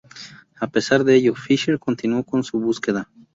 A pesar de ello, Fisher continuó con su búsqueda.